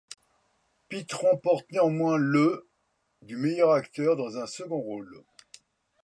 Pitt remporte néanmoins le du meilleur acteur dans un second rôle.